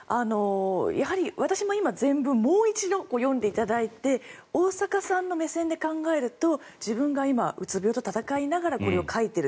やはり私ももう一度全文を読んでいただいて大坂さんの目線で考えると自分が今、うつ病と闘いながらこれを書いている。